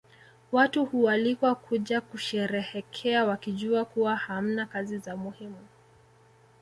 Watu hualikwa kuja kusherehekea wakijua kuwa hamna kazi za muhimu